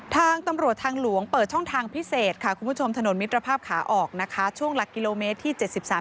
ทางตำรวจทางหลวงเปิดช่องทางพิเศษค่ะคุณผู้ชมถนนมิตรภาพขาออกนะคะช่วงหลักกิโลเมตรที่๗๓